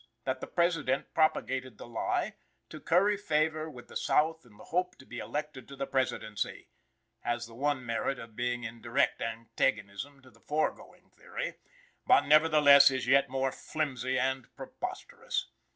that the President propagated the lie "to curry favor with the South in the hope to be elected to the Presidency," has the one merit of being in direct antagonism to the foregoing theory, but nevertheless is yet more flimsy and preposterous.